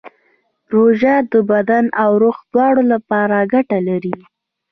روژه د بدن او روح دواړو لپاره ګټه لري.